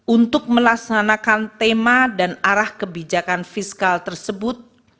untuk melaksanakan tema dan arah kebijakan fiskal tersebut